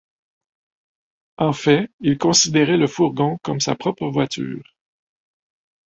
En fait, il considérait le fourgon comme sa propre voiture.